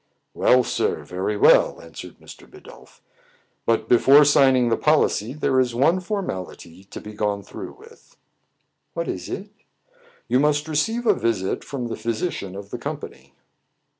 "Well, sir, very well," answered Mr. Bidulph. " But, before signing the policy, there is one for mality to be gone through with." "What is it.?" "You must receive a visit from the physician of the company."